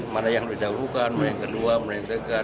mana yang didahulukan mana yang kedua mana yang tegar